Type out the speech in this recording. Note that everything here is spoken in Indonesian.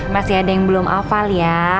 masih ada yang belum hafal ya